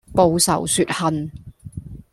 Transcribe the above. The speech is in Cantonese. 報仇雪恨